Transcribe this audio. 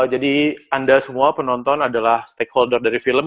jadi anda semua penonton adalah stakeholder dari film